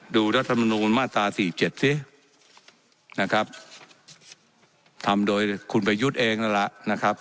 รัฐมนูลมาตราสี่เจ็ดสินะครับทำโดยคุณประยุทธ์เองนั่นแหละนะครับ